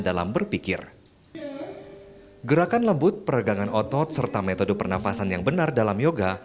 dalam berpikir gerakan lembut peregangan otot serta metode pernafasan yang benar dalam yoga